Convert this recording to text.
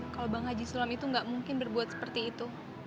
kalau bang haji sulam itu nggak mungkin berbuat seperti itu